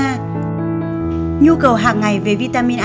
nhu cầu hạng ngày về vịt lộn